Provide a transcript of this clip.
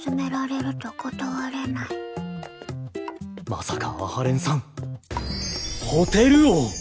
まさか阿波連さんホテル王！